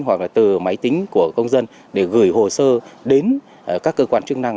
hoặc là từ máy tính của công dân để gửi hồ sơ đến các cơ quan chức năng